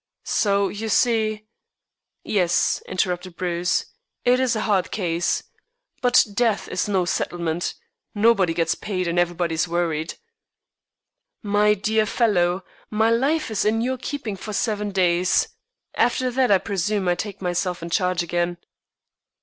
So you see " "Yes," interrupted Bruce, "it is a hard case. But death is no settlement. Nobody gets paid, and everybody is worried." "My dear fellow, my life is in your keeping for seven days. After that, I presume, I take myself in charge again."